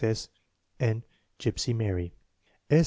S. and Gypsy Mary.